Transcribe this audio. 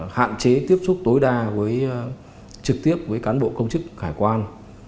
hạn chế tiếp xúc tối đa trực tiếp với cán bộ công chức hải quan